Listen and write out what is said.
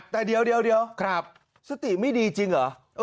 แต่เดี๋ยวสติไม่ดีจริงเหรอ